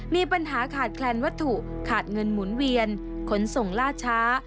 มีปัญหาขาดแคลนวัตถุขาดเงินหมุนเวียนขนส่งล่าช้า